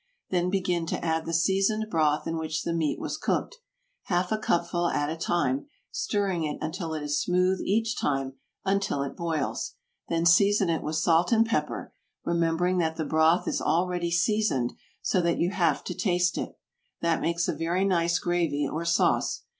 Then begin to add the seasoned broth in which the meat was cooked, half a cupful at a time, stirring it until it is smooth each time, until it boils; then season it with salt and pepper, remembering that the broth is already seasoned, so that you have to taste it. That makes a very nice gravy or sauce.